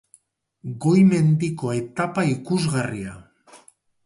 Goi mendiko etapa ikusgarria.